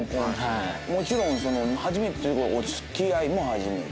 もちろん初めてという事でお付き合いも初めて。